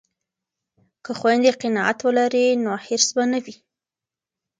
که خویندې قناعت ولري نو حرص به نه وي.